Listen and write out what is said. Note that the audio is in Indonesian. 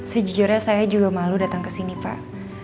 sejujurnya saya juga malu datang kesini pak